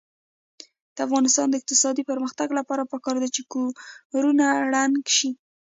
د افغانستان د اقتصادي پرمختګ لپاره پکار ده چې کورونه رنګ شي.